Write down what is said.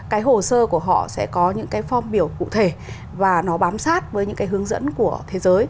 cái hồ sơ của họ sẽ có những cái phong biểu cụ thể và nó bám sát với những cái hướng dẫn của thế giới